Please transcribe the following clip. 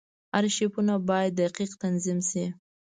ارشیفونه باید دقیق تنظیم شي.